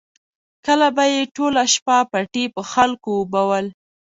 کله به یې ټوله شپه پټي په خلکو اوبول.